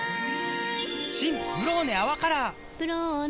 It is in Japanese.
新「ブローネ泡カラー」「ブローネ」